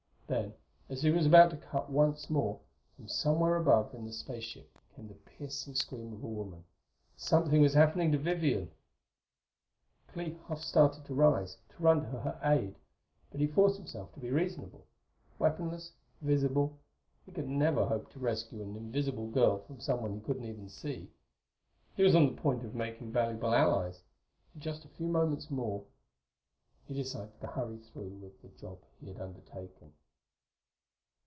Then, as he was about to cut once more, from somewhere above in the space ship came the piercing scream of a woman. Something was happening to Vivian. Clee half started to rise, to run to her aid, but he forced himself to be reasonable. Weaponless, visible, he could never hope to rescue an invisible girl from someone he couldn't even see. He was on the point of making valuable allies; in just a few moments more ! He decided to hurry through with the job he had undertaken.